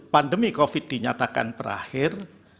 pandemi covid dinyatakan berakhir